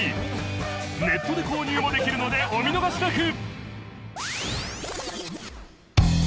ネットで購入もできるのでお見逃しなく！